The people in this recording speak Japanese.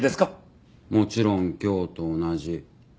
もちろん今日と同じ。